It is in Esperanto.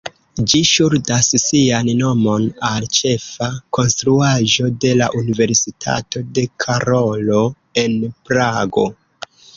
Ĝi ŝuldas sian nomon al ĉefa konstruaĵo de la Universitato de Karolo en Prago.